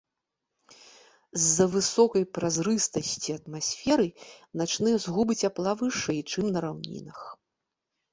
З-за высокай празрыстасці атмасферы начныя згубы цяпла вышэй, чым на раўнінах.